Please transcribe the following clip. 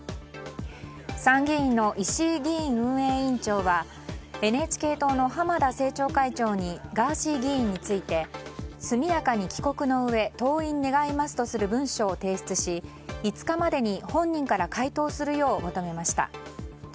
参議院の石井議院運営委員長はＮＨＫ党の浜田政調会長にガーシー議員について速やかに帰国の上登院願いますとする文書を提出し、５日までに本人から回答するよう求めました。